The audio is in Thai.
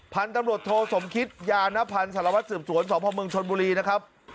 พันธุ์ตำรวจโทสมคิตยานพันธ์สารวัตรสืบสวนสพเมืองชนบุรีนะครับ